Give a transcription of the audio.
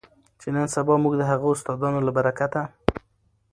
چې نن سبا مونږ د هغو استادانو له برکته